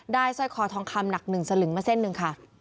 สร้อยคอทองคำหนัก๑สลึงมาเส้นหนึ่งค่ะ